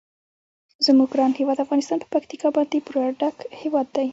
زموږ ګران هیواد افغانستان په پکتیکا باندې پوره ډک هیواد دی.